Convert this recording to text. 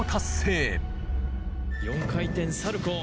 ４回転サルコー。